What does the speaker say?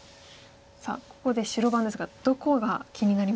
さあここで白番ですがどこが気になりますか？